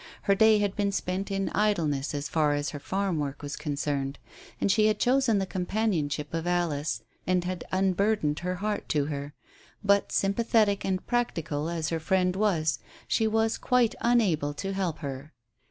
Her day had been spent in idleness as far as her farm work was concerned. She had chosen the companionship of Alice, and had unburdened her heart to her. But sympathetic and practical as her friend was, she was quite unable to help her.